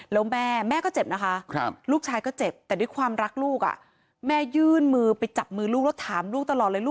แล้วแม่แม่ก็เจ็บนะคะลูกชายก็เจ็บแต่ด้วยความรักลูกแม่ยื่นมือไปจับมือลูก